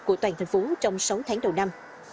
của toàn thành phố trong sáu tháng đầu năm